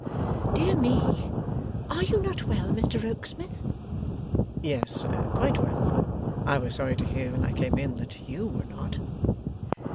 'Dear me! Are you not well, Mr Rokesmith?' 'Yes, quite well. I was sorry to hear, when I came in, that YOU were not.